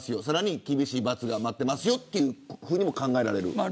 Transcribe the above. さらに厳しい罰が待ってますよというふうにも考えられる。